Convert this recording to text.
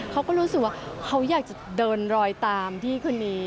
เขาก็รู้สึกว่าเขาอยากจะเดินรอยตามพี่คนนี้